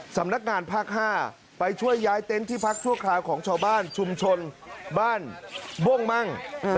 สำนักงานภาค๕ไปช่วยย้ายเต็นต์ที่พักชั่วคราวของชาวบ้านชุมชนบ้านบ้งมั่ง